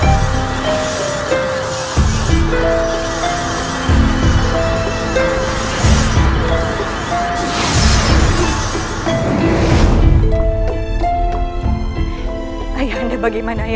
ayah anda bagaimana ayah anda